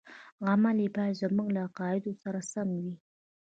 عمل یې باید زموږ له عقایدو سره سم وي.